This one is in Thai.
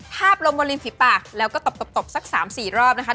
ภาพลมบนริมฝีปากแล้วก็ตบสัก๓๔รอบนะคะ